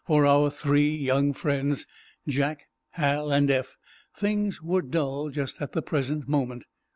For our three young friends, Jack, Hal and Eph, things were dull just at the present moment.